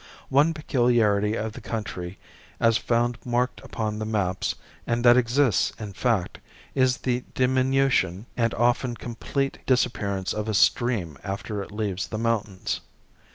One peculiarity of the country as found marked upon the maps, and that exists in fact, is the diminution and often complete disappearance of a stream after it leaves the mountains.